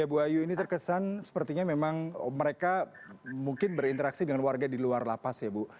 ya bu ayu ini terkesan sepertinya memang mereka mungkin berinteraksi dengan warga di luar lapas ya bu